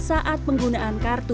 dan juga menggunakan kartu